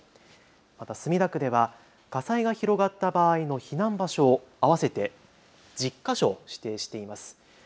また墨田区では火災が広がった場合の避難場所を合わせて１０か所指定しています。